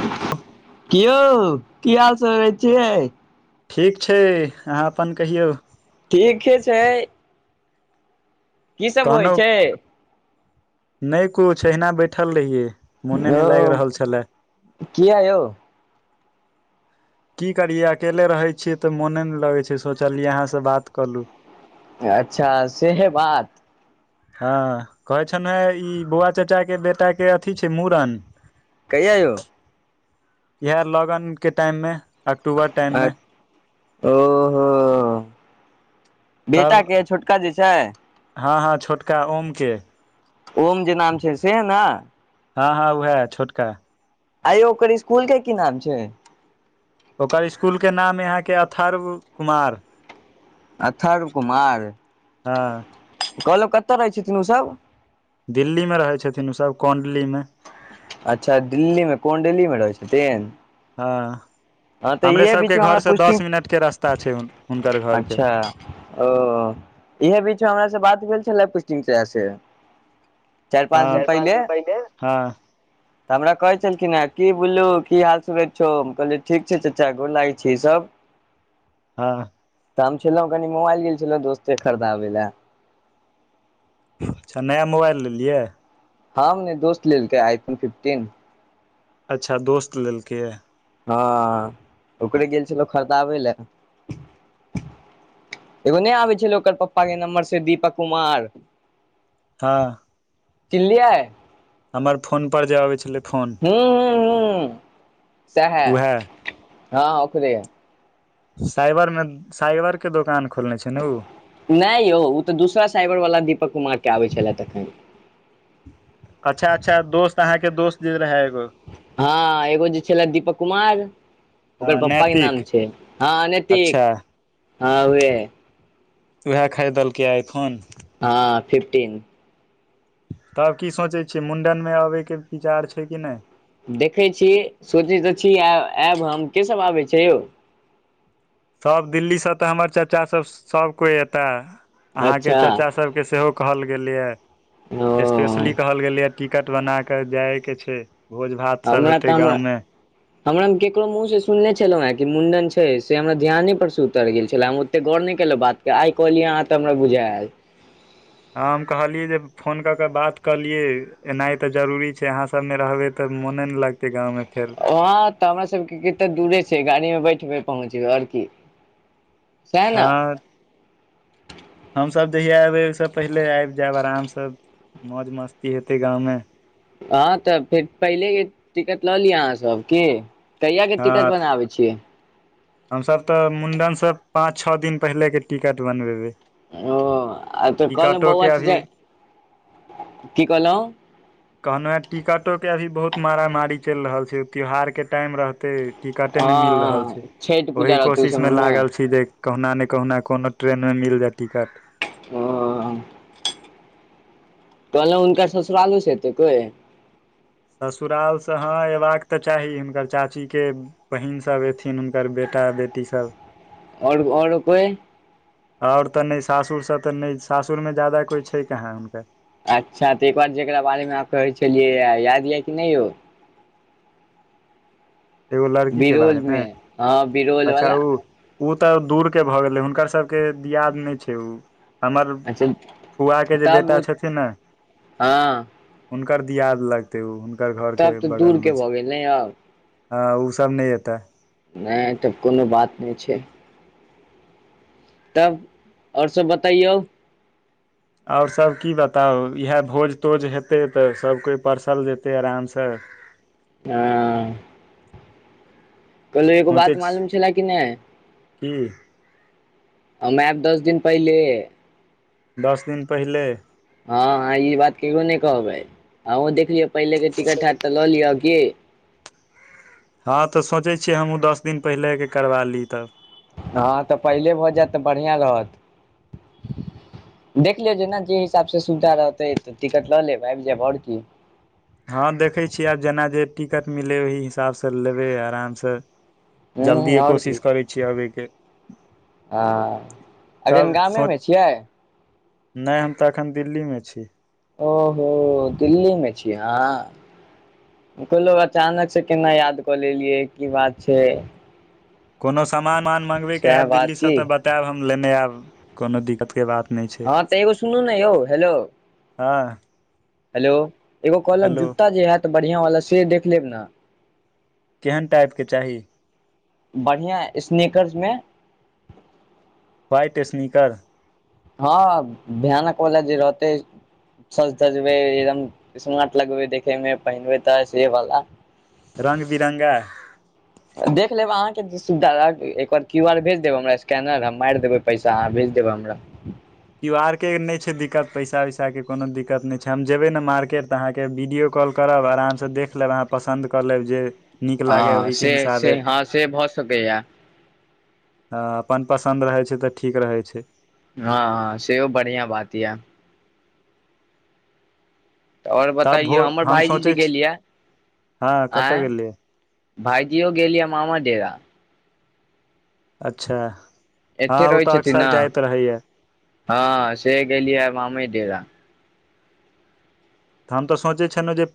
त [unintelligible] कि यौ की हाल चै छियै ठीक छै अहाँ अपन कहियौ ठीके छै की सब होइ कहनोहु छै नहि कुछ अहिना बैठल रहियै मोने ओ नहि लाइग रहल छलै किया यौ की करियै अकेले रहै छियै तऽ मोने नहि लगै छै सोचलियै अहाँसँ बात कलू अच्छा सेहे बात हँ कहै छनै ई बौआ चाचाके बेटाके अथी छै मूड़न कहिया यौ इएह लग्न के टाइममे अक्टूबर टाइममे ओहो तब बेटाके छोटका जे छै हँ हँ छोटका ओम के ओम जे नाम छै से ना हँ हँ वहै छोटका आइयो ओकर इसकुल के की नाम छै ओकर इसकुलके नाम य अहाँके अथर्व कुमार अथरब कुमार हँ कहलौ कत रहै छथिन ओसभ दिल्लीमे रहै छथिन ओसभ कोण्डलीमे अच्छा दिल्ली मे कोनडली मे रहै छथिन हँ हँ तऽ हमरे इहे बीच सबके मे हमरा घर से पुष्टि दस मिनटके रास्ता छै हुनकर घरके अच्छा ओ इहे बीचमे हमरा से बात भेल छल पुस्टिंग चाचा से हँ चारि पाँच दिन पहिले हँ तऽ हमरा कहै छलखिन हैय कि बोललू की हाल सुवेत छौहम कहलीयै ठीक छै चाचा गोर लागै छै सब हँ तऽ हम छलहु कनि मोबाइल गेल छलौ दोस्ते खरीदाबे लए अच्छा नया मोबाइल लेलियै ह नहि दोस्त लेलक आइफोन फिफ्टीन अच्छा दोस्त लेलकै हँ ओकरे गेल छलौ खरीदाबै लए एगो नहि आबै छलै ओकर पप्पाके नम्बरसँ दीपक कुमार हँ किनलियै हमर फोन पर जे आबै छलै फोन हू ह ह सएहै उएह हँ ओेकरे साइबर मे साइबर के दोकान खोलने छै ने ओ नहि यौ ओ तऽ दूसरा साइबरवालला दीपक कुमारके आबै छलए एखन अच्छा अच्छा दोस्त अहाँके दोस्त जे रहै एगो हँ एगो जे छल दीपक कुमार ओकर पप्पा के नाम नैतिक छै हँ नीतिक अच्छा हँ उहे उएह खरीदलकै आइ फोन हँ फिफटीन तब की सोचै छियै मुंडन मे अबै के विचार छै कि नहि देखै छी सोचै तऽ छी आयब हम केसभ आबै छै यौ तभ दिल्लीसँ तऽ हमर चाचा सब सभ कोइ एता अहाँके अच्छा चाचा सबके सेहो कहल गेलैए ओ स्पेशली कहल गेलैए टिकट बना कऽ जाय के छै भोज भात सब हमरा हेतै तऽ हम गाँवमे हमरा केकरो मुँह से सुनने छलहुँ हेँ कि मुंडन छै से हमरा ध्यान पर से उतर गेल छले हम ओते गौर नहि केलहुं बात के आइ कहलियै अहाँ तऽ हमरा बुझा आल [unintelligible] हँ हम कहलियै जे फोन कऽ कऽ बात करलियै एनाइ तऽ जरूरी छै अहाँसभमे रहबै तऽ मने ने लागतै गाँवमे फेर वहां तऽ हमरा सबके कते दूरे छै गाड़ी में बैठ पहुँचब ओर की सएह ने हँ हमस जहिय एबे से पहिले आबि जायब आराम से सब मौज मस्ती हेतै गाँंवमे हँ तऽ फेर पहिलेके टिकट लऽ लि अहाँसभ की कहिया के हँ टिकट बनाबै छी हमसभ तऽ मुंडन सब पांच छओ दिन पहिले के टिकट बनबेबै ओ आ त कहलहुं बौआ टिकटोके अभी की कहलहुं कहलहुँ टिकटोके अभी बहुत मारामारी चलि रहल छै ओ त्योहारके टाइम रहतै टिकटे नहि मिल रहल छै हँ छठि पूजा ओहि रहतौ कोशिशमे समयमे लागल छी जे कहुना ने कहुना कोनो ट्रेनमे मिल जाय टिकट ओ कहलहुं हुनकर ससुरालोस एतै कोइ ससुराल से हां अयबाक तऽ चाही हुनकर चाची के बहिन सब एथिन हुनकर बेटा बेटी सब और और कोइ आओर तऽ नहि सासुर से तऽ नहि सासुरमे ज्यादा कोइ छै कहाँ हुनकर अच्छा तऽ एक बार जकरा बारेमे अहाँ कहै छलियै याद यऽ कि नहि यौ एगो लड़की के बारेमे बिरौलमे हँ बिरौल अच्छा वला ओ ओ तऽ दूर के भऽ गेलै हुनकर सबके दियाद नहि छै उ हमर अच्छा फुआ के जे तब बेटा छथिन ने हँ ओकर दियाद लगते उ हुनकर घर के तब तऽ बगलमे दूरके छै भऽ गेल ने यौ हँ ओ सब नहि एतै नहि तऽ कोनो बात नहि छै तब और सब बतैयौ और सब की बताउ इएह भोज तोज हेतैे त सब कोइ परसल जेतैे आरामस [inaudible] अँ कहलौं एगो सोचै बात छी मालूम छलै कि नहि की हम ऐब दस दिन पहिलेहे दस दिन पहिले हँ अहाँ ई बात केकरो नहि कहबै ऑंहू दे पहिले के टिकट हैत त ल लिअ कि हँ त सोचै छियै हमहूँ दस दिन पहिलेके करबा ली त हँ त पहिले भ जैत त बढ़िआँ रहत देख लियौ जेना जे हिसाबस सुविधा रहतै त टिकट ल लेब आबि जायब और कि हँ देखै छियै आब जेना जे टिकट मिलै ओही हिसाबस लेबै आरामस हूँ जल्दिए कोशिश करै छि आबय के हं एखन तब सोच गामेमे छियै नहि हम त अखन दिल्लीमे छी ओहो दिल्लीमे छी अहाँ कहलौं अचानक से केना याद क लेलियै की बात छै कोनो सामान मान मँगबैके सएह हैत बात दिल्लीस की त बतायब हम लेने आयब कोनो दिक्कत हँ त एगो सुनू ने यौ हेलो हँ हेलो एगो कहलहुँ हेलो जुत्ता जे हैत बढ़िआँवला से देख लेब न केहन टाइपके चाही बढ़िआँ स्नेकर्समे वाइट स्नीकर हँ भयानक बला जे रहतै सज धजबै एकदम स्मार्ट लगबै देखैमे पहिनबै त से वला रंग बिरंगा देख लेब अहाँ के सुविधा रह एकबार क्यूआर भेज देब हमरा स्कैनर हम मारि देबे पैसा अहाँ भेज देब हमरा त आर के नहि छै दिक्कत पैसा उइसा के कोनो दिक्कत छै हम जेबे ने मार्केट त अहाँ के वीडियो कॉल कर तब आराम से देख लेब अहाँ पसन्द क लेब जे नीक लागय हँ ओहिके से से हिसाबे हँ से भ सकैया ह अपन पसन्द रहै छै त ठीक रहै छै हँ हँ सेहो बढ़िआँ बात यै त और तब भो बतैयौ हमर हम भायजी जे सोचै छी गेलियै हँ कतय आँय गेलियै भाइजियो गेलियै मामा डेरा अच्छा हँ एत्ते ओ रहै तऽ छथिन न अक्सर जाइत रहैया हँ सेहे गेलियै मामे डेरा हम त सोचै छनहुँ जे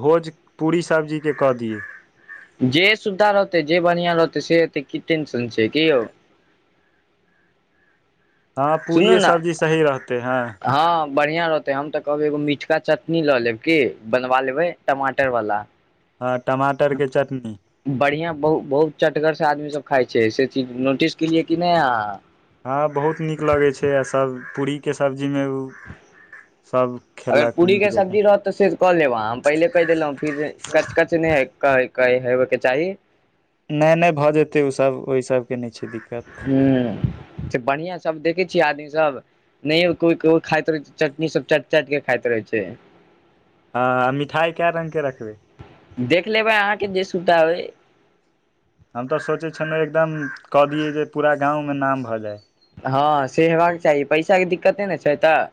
भोज पूरी सब्जीके क दि जे सुविधा रहतै जे बढ़िआ रहतै से हेतै की टेंशन छै कियौ हँ पूरिये सब्जी सही रहतै हँ हँ बढ़िंया रहते हम त कहबै एगो मिठका चटनी ल लेब की बनवा लेबै टमाटर वाला हँ टमाटरके चटनी बढ़िआ बहु बहुत चटगर से आदमी सब खाय छै से चिज नोटिस केलियै कि नहि अहाँ हँ बहुत नीक लगै छै आ सब पूरिके सब्जीमे उ अगर पूरिके सब्जी रहत त से क लेब अहाँ हम पहिले कहि देलहुँ फिर जे कच कच नहि हय कह कही होेबय के चाही नहि नहि भऽ जेतय ओय सब ओहि सबके नहि छै दिक्कत हू बढ़िया सब देखैक छियै आदमी सब नहि को कोइ खाइत रहे चटनी सब चाट चाट के खाइत रहै छै [unintelligible] हँ मिठाइ कए रंगके रखबै देख लेबै अहाँके जे सुताबै हम तऽ सोचै छलौ एकदम कह दियै जे पूरा गाँवमे नाम भऽ जाय हँ से हेबाक चाही पैसाके दिक्कते नै ने छै तऽ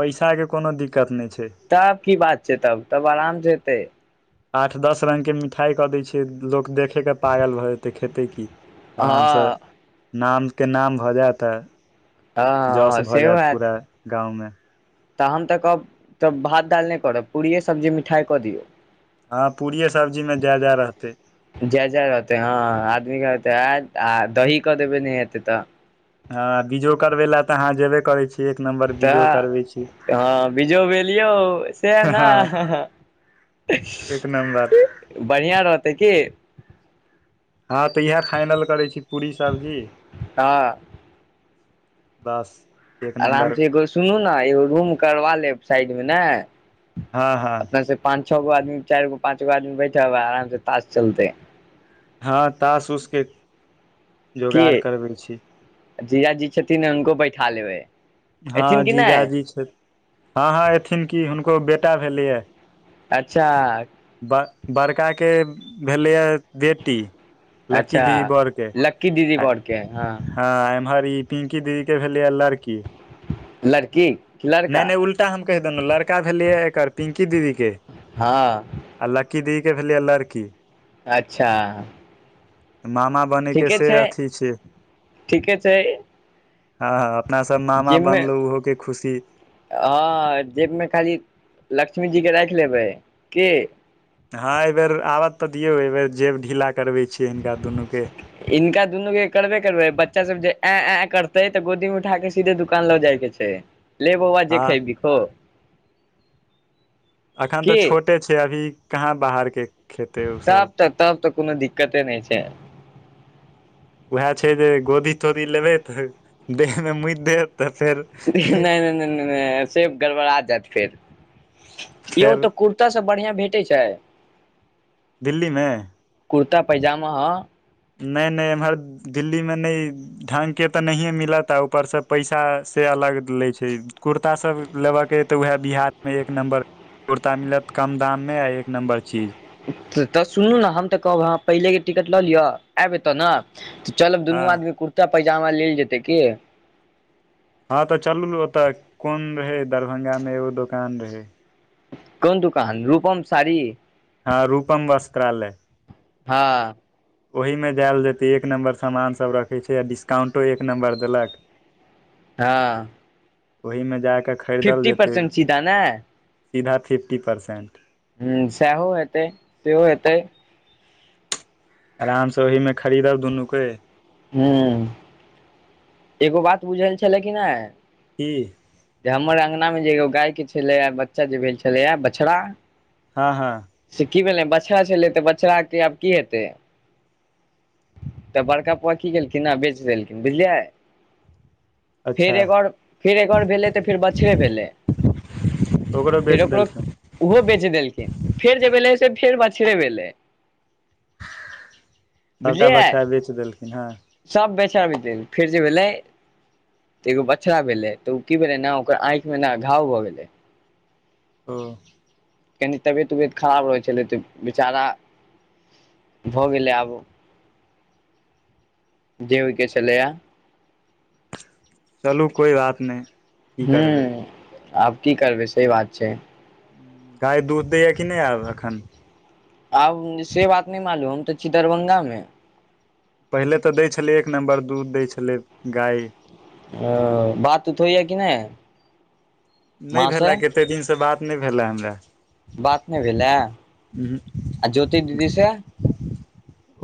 पैसाके कोनो दिक्कत नहि छै तब की बात छै तब तब आराम से हेतै आठ दस रंगके मिठाइ कऽ दै छियै लोक देखेके पागल भऽ जेतै खेतै की हँ नाम के नाम भए जायत आ हँ जश हँ भऽ सेहो जायत हयत पूरा गाँंव मे तऽ हम तऽ कहब तऽ भात दाल नहि करब पूड़िये सब्जी मिठाइ कऽ दियौ हँ पूड़िये सब्जीमे जा जा रहतै जय जय रहतै हँ आदमी क तऽ आ दही कऽ देबै नहि हेतै तऽ हँ बीझो करबे लए तऽ अहाँ जेबे करै छी एक नम्बर तऽ बीजो करबै छी हँ बीजो भेलयो सेह न हँ एक नम्बर बढ़िया रहतै की हँ तऽ इहै फाइनल करै छी पूरी सब्जी हँ बस एक आराम नम्बर से एगो सुनू ना एगो रूम करबा लेब साइड मे नै हँ हँ छ गो आदमी चाइर गो पाँच गो आदमी बैठब आ आराम से ताश चलतै हँ तास उस के जोगाड़ करबै छी जीजा जी छथिन न हुनको बैठा लेबै हँ एथिन कि नहि जीजाजी छै हँ हँ एथिन कि हुनको बेटा भेलैए अच्छा ब बड़का के भेलैए बेटी लक्की अच्छा दीदी बर के लक्की दीदी बरके हँ ह एमहर ई पिंकी दीदी के भेल लड़की लड़की कि नहि लड़का नहि उल्टा हम कहि देलौ लड़का भेलैया एकर पिंकी दीदी के हँ की दिदि के भेलै है लड़की अच्छा मामा बनै के ठीके से छै अथी छै ठीके छै हँ हँ अपना सब मामा जिममे बनलहुं ओहो के खुशी हँ जेबमे खाली लक्ष्मीजी के राखि लेबै की हँ एहिबेर आब'तऽ दियौ एहि बेर जेब ढीला करबै छियै हिनका दुनू के इनका दुनू के करबे करबै बच्चा सब जे एऐ एऐ करतै तऽ गोदी मे उठा के सीधे दुकान लऽ जाय के छै ले बौआ जे हँ खैभी खो अखन तऽ की छोटे छै अभी कहाँ बाहरके तब त तब तऽ कोनो दिक्कते नहि छै उएह छै जे गोदी तोदी लेबै तऽ देहमे मुइत देत तऽ फेर नहि नहि नहि नहि नहि सेप गड़बड़ा जैत फेर यौ फेर तऽ कुर्तासभ बढ़िया भेटै छै दिल्लीमे कुर्ता पैजामाअ नहि नहि एम्हर दिल्लीमे नहि ढंग के तऽ नहिए मिलत ऊपर से पैसा से अलग लै छै कुर्ता सब लेबकेहेतैऽ उएह बिहारमे एक नम्बर कुर्ता मिलत कम दाममे आ एक नम्बर चीज तऽ सुनलूं न हम तऽ कहब ह पहिलेके टिकट लऽ लिअ एब एत ने चलब हँ दुनू आदमी कुर्ता पैजामा लेल जेतै की हँ तऽ चलू न ओतय कोन रहै दरभंगामे एगो दोकान रहै कोन दूकान रूपम साड़ी हँ रूपम वस्त्रालय हँ ओहीमे जायल जेतै एक नंबर सामान सब रखै छै आ डिस्काउंटो एक नंबर देलक हँ ओहिमे जा कऽ खरीदल फिफ्टी जेतै परसेंट सीधा ने सीधा फिफ्टी परसेंट ह्म सैहो हेतै सेहो हेतै आराम से ओहिमे खरीदब दुनूके हँ एगो बात बुझल छलै कि नहि की जे हमर अंगना मे जे एगो गाय के छलैयाबच्चा जे भेल छलैया बछड़ा हँ हँ से की भेलै बछड़ा छलै तऽ बछड़ा के आब की हेतै तऽ बड़का पपा की केलखिन आ बेच लेलखिन बुझलियै फेर अच्छा एगो और फेर एगो और भेलै तऽ फेर बछड़े भेलै बेच फेर ओकरो देलखिन ओहो बेच देलखिन फेर जे भेलै से फेर बछड़े भेलै सबटा बुझलियै बछड़ा बेच देलखिन हँ सब बेचब देल फेर जेबै लै तऽ एगो बछड़ा भेलै तऽ उ की भेलै ने ओकर आँइखमे मे घाव भऽ गेलै हं कनि तबियत उबियत खराब रहै छलै तऽ बेचारा भऽ गेलै आब जे होइके छलैए चलू कोइ बात नहि की हू करबै ंआब की करबै सेह बात छै गाए दूध दैया कि नहि आब अखन आब से बात नहि मालूम हम तऽ छी दरभंगा मे पहिले तऽ दै छलै एक नम्बर दूध दय छलै गाय ओ बात उतऽ होइए कि नहि नहि माँ से भेलै कतेक दिनसँ बात नहि भेलै हमरा बात नहि भेलै आ ज्योति दीदी से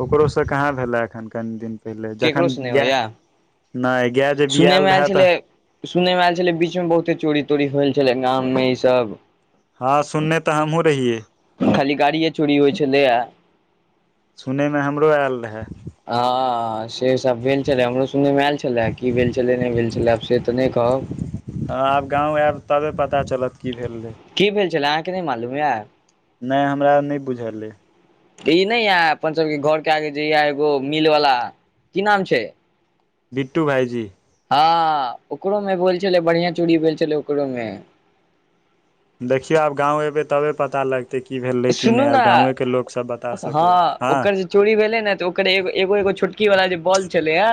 ओकरोसँ कहाँ भेलै एखन कनि दिन पहिले जखन केकरोसँ नहि गाय होइया नहि गाय जे बियाल रहए तऽ सुनै मे आयल छलै बीच मे बहुते चोरी तोरी होल छलै गाममे ई सब हँ सुनने तऽ हमहु रहियए खाली गाड़िए चोरी होइ छलैए सुनयमे हमरो आयल रहय हँ से सब भेल छले हमरो सुनै मे आयल छले की भेल छलै नहि भेल छलै से तऽ नहि कहब हँ आब गाँव आयब तबे पता चलत की भेल रहै की भेल छलै अ हाँक नहि मालूम य नहि हमरा नहि बुझल अइ ई नहि यए अपन सभूके घरके आगे जे य एगो मिलवला की नाम छै बिट्टू भाइजी हँ ओकरो मे भेल छलै बढ़िया चोरी भेल छलै ओकरो मे देखियौ आब गाँंव एबे तबे पता लग भेलै कि नै सुनू आब ने गावे के लोक स हँ ओकर जे चोरी भेले ने तऽ ओकर एगो एगो छोटकी वाला जे बॉल छलै य